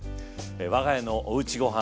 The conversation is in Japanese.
我が家の「おうちごはん」